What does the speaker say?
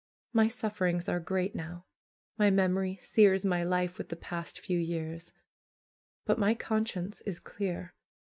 My sufferings are great now ; my memory sears my life with the past few years; but my conscience is clear.